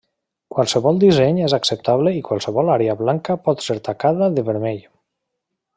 Qualsevol disseny és acceptable i qualsevol àrea blanca pot ser tacada de vermell.